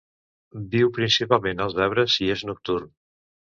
Viu principalment als arbres i és nocturn.